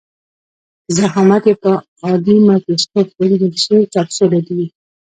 که ضخامت یې په عادي مایکروسکوپ ولیدل شي کپسول یادیږي.